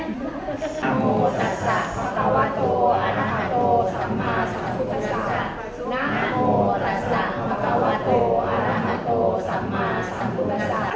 นะโนสัตว์สัตว์มักกวาโตอรหาโตสัมมาสัมภุกษา